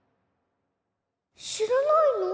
知らないの？